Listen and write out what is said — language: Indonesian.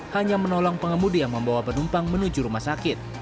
hanya menolong pengemudi yang membawa penumpang menuju rumah sakit